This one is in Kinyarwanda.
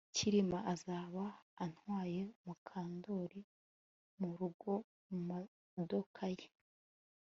Kirima azaba atwaye Mukandoli murugo mumodoka ye